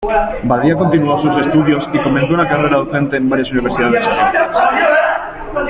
Badía continuó sus estudios y comenzó una carrera docente en varias universidades egipcias.